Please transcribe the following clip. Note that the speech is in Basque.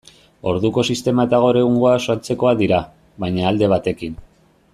Orduko sistema eta gaur egungoa oso antzekoak dira, baina alde batekin.